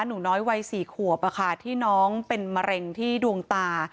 หนูน้อยวัย๔ขวบที่น้องเป็นมะเร็งที่ดวงตา